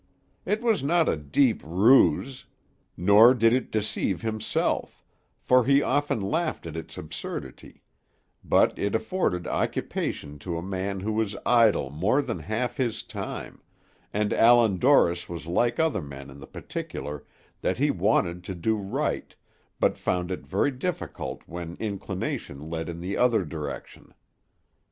It was not a deep ruse nor did it deceive himself, for he often laughed at its absurdity but it afforded occupation to a man who was idle more than half his time, and Allan Dorris was like other men in the particular that he wanted to do right, but found it very difficult when inclination led in the other direction.